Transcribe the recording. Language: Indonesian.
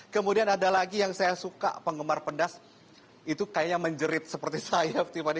kemudian ada lagi yang saya suka penggemar pedas itu kayaknya menjerit seperti saya tiffany